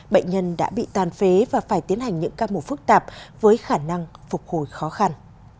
bệnh nhân đã bị tàn phế và phải tiến hành những ca mổ phức tạp với khả năng phục hồi khó khăn